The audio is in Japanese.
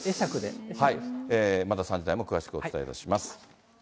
まだ３時台も詳しくお伝えいたします。